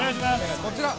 ◆こちら。